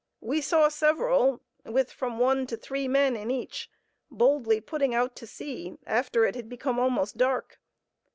We saw several, with from one to three men in each, boldly putting out to sea, after it had become almost dark.